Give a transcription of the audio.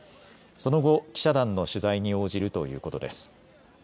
その後、記者団の取材に応じるということです。